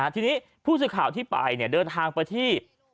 ทีนี้ผู้สื่อข่าวที่ไปเดินทางไปที่